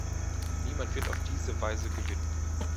Niemand wird auf diese Weise gewinnen.